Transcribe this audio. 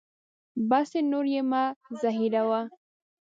بس دی نور یې مه زهیروه.